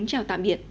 chào tạm biệt